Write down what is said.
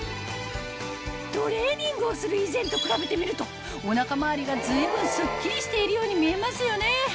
トレーニングをする以前と比べてみるとお腹周りが随分スッキリしているように見えますよね